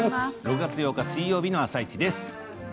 ６月８日水曜日の「あさイチ」です。